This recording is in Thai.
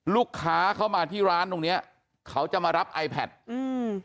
ลูกค้าเข้ามาที่ร้านตรงเนี้ยเขาจะมารับไอแพทอืม